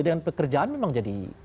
dengan pekerjaan memang jadi